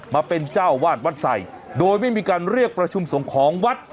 มาเป็นเจ้าวาดวัดใส่โดยไม่มีการเรียกประชุมส่งของวัด